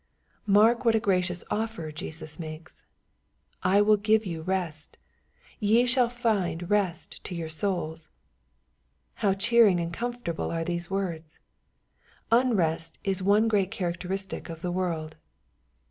Mark what a gracious offer Jesus makes. " I will give you rest. — Ye shall find rest to your souls." How cheering and comfortable are these words I Unrest is one great characteristic of the world.